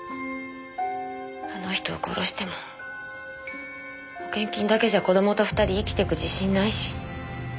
あの人を殺しても保険金だけじゃ子供と２人生きてく自信ないし。